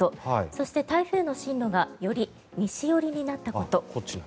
そして台風の進路がより西寄りになったこと。